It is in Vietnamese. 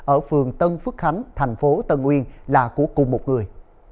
ở phường tân phước khánh thành phố tân uyên là của cùng một người